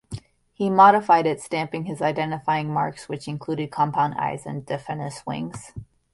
He modified it, stamping his identifying marks, which included compound eyes and diaphanous wings.